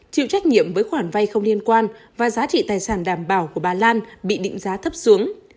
chịu trách nhiệm với khoản vay không liên quan và giá trị tài sản đảm bảo của bà lan bị định giá thấp xuống